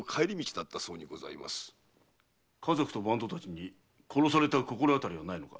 家族と番頭たちに殺された心当たりはないのか？